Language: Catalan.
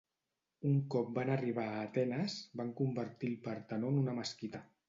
Un cop van arribar a Atenes, van convertir el Partenó en una mesquita.